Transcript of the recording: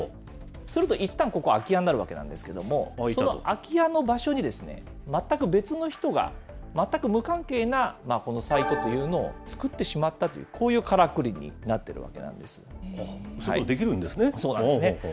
するとここ、いったん空き家になるわけなんですけれども、その空き家の場所に全く別の人が全く無関係なこのサイトというのを作ってしまったという、こういうからくりになっているわけなんそういうことできるんですねそうなんですね。